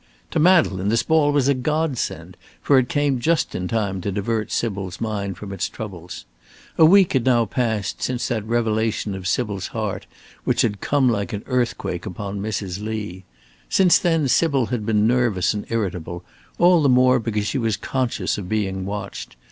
To Madeleine this ball was a godsend, for it came just in time to divert Sybil's mind from its troubles. A week had now passed since that revelation of Sybil's heart which had come like an earthquake upon Mrs. Lee. Since then Sybil had been nervous and irritable, all the more because she was conscious of being watched.